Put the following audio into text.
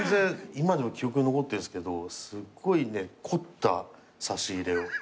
今でも記憶に残ってるんですけどすごいね凝った差し入れを。